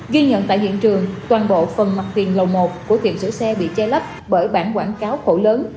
ghi nhận tại hiện trường toàn bộ phần mặt tiền lầu một của tiệm sửa xe bị che lấp bởi bản quảng cáo khổ lớn